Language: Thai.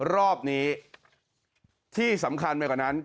รอบนี้ที่สำคัญไปกว่านั้น